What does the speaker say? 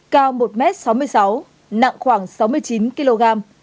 cao một m sáu mươi sáu nặng khoảng sáu mươi chín kg